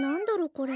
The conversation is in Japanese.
これ。